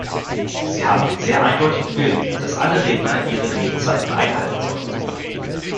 Sie haben den sehr eindeutigen Willen, dass alle Redner ihre Redezeiten einhalten sollen.